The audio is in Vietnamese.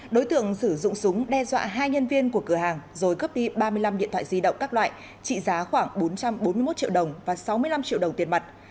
đối tượng sử dụng súng đe dọa hai nhân viên của cửa hàng rồi cướp đi ba mươi năm điện thoại di động các loại trị giá khoảng bốn trăm bốn mươi một triệu đồng và sáu mươi năm triệu đồng tiền mặt